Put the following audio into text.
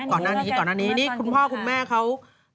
ก่อนหน้านี้นี่คุณพ่อคุณแม่เขา